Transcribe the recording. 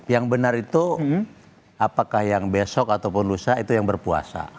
yang benar itu apakah yang besok ataupun lusa itu yang berpuasa